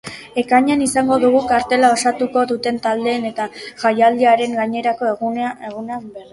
Ekainean izango dugu kartela osatuko duten taldeen eta jaialdiaren gainerako egunen berri.